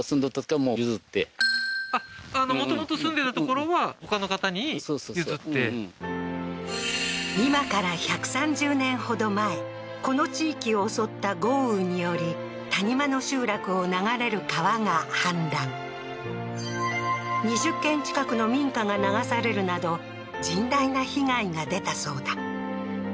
あっもともと住んでた所はほかの方に譲って今から１３０年ほど前この地域を襲った豪雨により谷間の集落を流れる川が氾濫２０軒近くの民家が流されるなど甚大な被害が出たそうだ